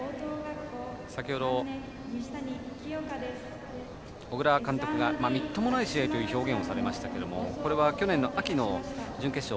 先ほど、小倉監督がみっともない試合という表現をされましたけどもこれは去年の秋の準決勝。